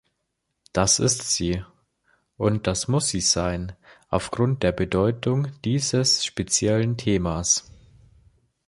Das ist sie, und das muss sie sein, aufgrund der Bedeutung dieses speziellen Themas.